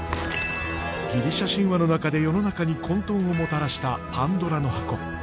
ギリシア神話の中で世の中に混とんをもたらしたパンドラの箱。